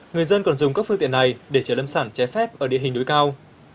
người dân còn dùng các phương tiện này để chở lâm sản trái phép ở địa hình núi cao